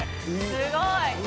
「すごい！」